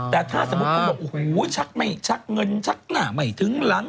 แต่ถ้าสมมุติบอกโอ้โหชักเงินชักหน้าไม่ถึงลัง